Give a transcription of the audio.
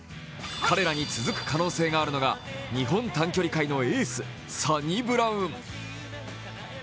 彼らに続く可能性があるのが日本短距離界のエース、サニブラウン。